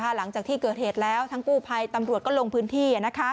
หลังจากที่เกิดเหตุแล้วทั้งกู้ภัยตำรวจก็ลงพื้นที่